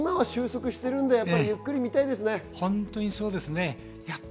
五郎さん、今は収束してるので、ゆっくり見たいですね。